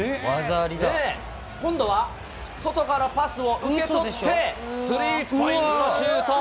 今度は外からパスを受け取って、スリーポイントシュート。